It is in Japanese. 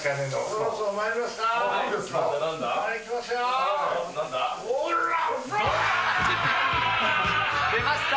そろそろまいりますか。